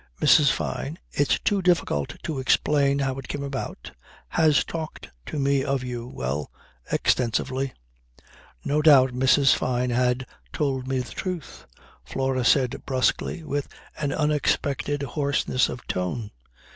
Mrs. Fyne it's too difficult to explain how it came about has talked to me of you well extensively." No doubt Mrs. Fyne had told me the truth, Flora said brusquely with an unexpected hoarseness of tone.